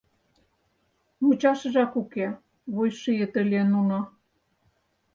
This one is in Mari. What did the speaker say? — Мучашыжак уке, — вуйшийыт ыле нуно.